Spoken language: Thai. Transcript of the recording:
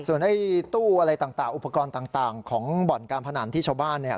ส่วนไอ้ตู้อะไรต่างอุปกรณ์ต่างของบ่อนการพนันที่ชาวบ้านเนี่ย